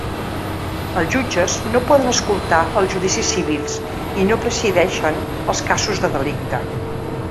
Els jutges no poden escoltar els judicis civils i no presideixen els casos de delicte.